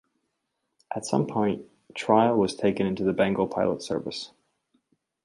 At some point "Trial" was taken into the Bengal Pilot Service.